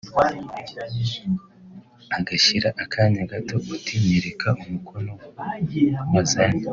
Hagashira akanya gato uti ’nyereka umukoro wazanye